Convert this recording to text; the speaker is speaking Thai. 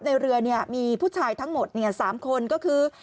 ในเรือเนี่ยมีผู้ชายทั้งหมดเนี่ยสามคนก็คือ